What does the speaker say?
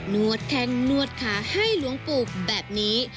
วดแข้งนวดขาให้หลวงปู่แบบนี้